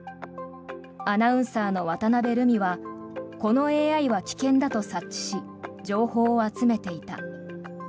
アナウンサーの渡辺瑠海はこのＡＩは危険だと察知し情報を集めていた。